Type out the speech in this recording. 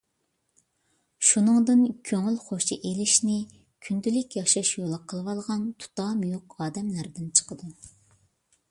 شۇنىڭدىن كۆڭۈل خوشى ئېلىشنى كۈندىلىك ياشاش يولى قىلىۋالغان تۇتامى يوق ئادەملەردىن چىقىدۇ.